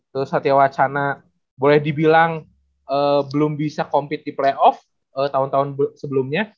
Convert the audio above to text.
terus satya wacana boleh dibilang belum bisa compete di playoff tahun tahun sebelumnya